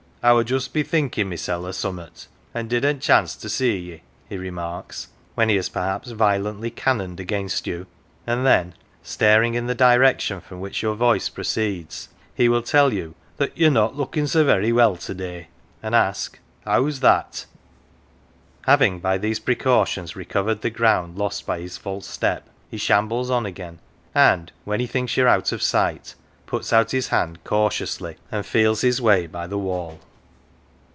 " I were just bethinkin 1 mysel 1 o" 1 summat, an 1 didn't chance to see ye," he remarks, when he has perhaps violently cannoned against you ; and then, staring in the direction from which your voice proceeds, he will tell you that " you're not lookin 1 so very well to day," and ask " How's that ?" Having by these precautions recovered the ground lost by his false step, he shambles on again, and, when he thinks you are out of sight, puts out his hand cautiously and feels his way by the wall.